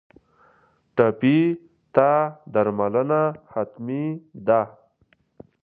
ټپي ته درملنه حتمي ده.